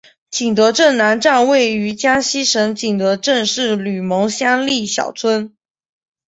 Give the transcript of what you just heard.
景德镇南站位于江西省景德镇市吕蒙乡历尧村。